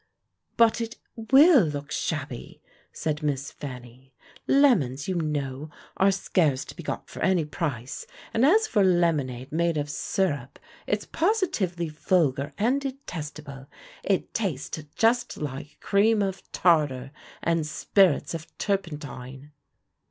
"But it will look shabby," said Miss Fanny. "Lemons, you know, are scarce to be got for any price, and as for lemonade made of sirup, it's positively vulgar and detestable; it tastes just like cream of tartar and spirits of turpentine."